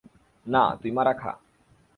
না, তুই মারা খা।